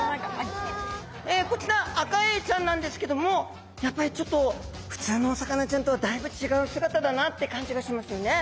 こちらアカエイちゃんなんですけどもやっぱりちょっと普通のお魚ちゃんとはだいぶ違う姿だなって感じがしますよね。